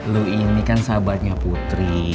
lu ini kan sahabatnya putri